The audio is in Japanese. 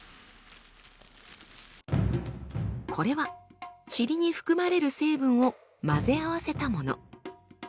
これはチリに含まれる成分を混ぜ合わせたもの。